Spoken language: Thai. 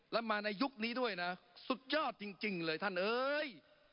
แล้วมาในยุคนี้ด้วยนะสุดยอดจริงเลยท่านเอ้ย